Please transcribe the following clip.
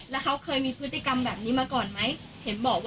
แล้วเขาเคยมีพฤติกรรมแบบนี้มาก่อนไหม